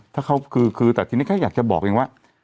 แต่ทีนี้แค่อยากจะบอกเองว่า